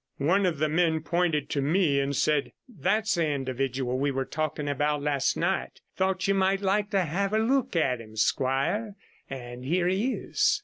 One of the men pointed to me and said 'That's the individual we were talking about last night. Thought you might like to have a look at him, squire, and here he is.'